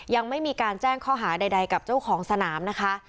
ยังไม่มีการแจ้งข้อหาใดกับเจ้าของสนามนะคะ